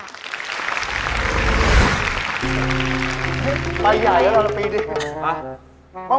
ไปใหญ่แล้วเรารับภีร์ดิ